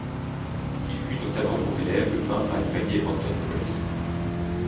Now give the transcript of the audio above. Il eut notamment pour élève le peintre animalier Anton Braith.